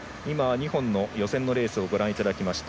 ２本の予選のレースをご覧いただきました。